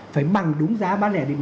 phải chia bán cho các bậc khác nhau